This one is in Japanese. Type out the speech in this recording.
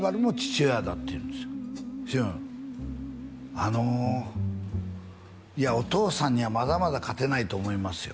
あのいやお父さんにはまだまだ勝てないと思いますよ